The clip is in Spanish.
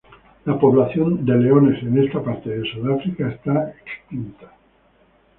La población de leones en esta parte de Sudáfrica está extinta.